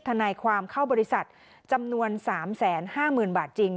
ทนายความเข้าบริษัทจำนวน๓๕๐๐๐บาทจริง